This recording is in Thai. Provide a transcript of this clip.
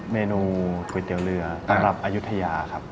เมนูก๋วยเตี๋ยวเรือระดับอายุทยาครับ